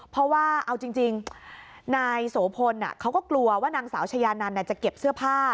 เพราะว่าเอาจริงนายโสพลเขาก็กลัวว่านางสาวชายานันจะเก็บเสื้อผ้า